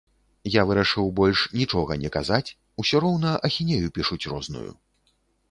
Я вырашыў больш нічога не казаць, усё роўна ахінею пішуць розную.